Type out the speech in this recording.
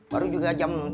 baru juga jam empat d